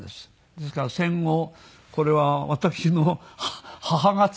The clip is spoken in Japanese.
ですから戦後これは私の母が作った。